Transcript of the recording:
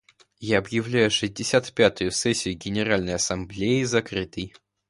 Я объявляю шестьдесят пятую сессию Генеральной Ассамблеи закрытой.